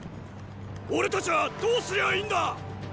俺たちァどうすりゃいいんだ！